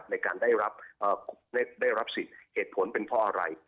ในการได้รับสิทธิ์เหตุผลเป็นเพราะอะไร